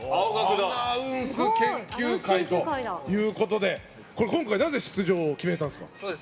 アナウンス研究会ということで今回、なぜ出場を決めたんですか。